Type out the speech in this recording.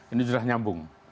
ini sudah nyambung